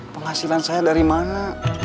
penghasilan saya dari mana